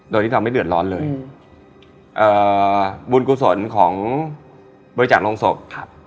โดยที่ทำให้เดือดร้อนเลยเอ่อบุญกุศลของบริจาคโรงศพครับ